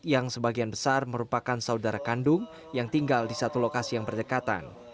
yang sebagian besar merupakan saudara kandung yang tinggal di satu lokasi yang berdekatan